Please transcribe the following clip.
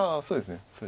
そうですね。